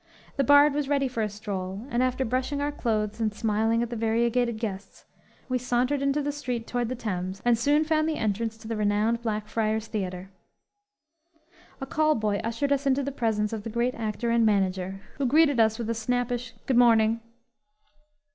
The Bard was ready for a stroll, and after brushing our clothes and smiling at the variegated guests, we sauntered into the street toward the Thames, and soon found the entrance to the renowned Blackfriars Theatre. A call boy ushered us into the presence of the great actor and manager, who greeted us with a snappish "Good morning!"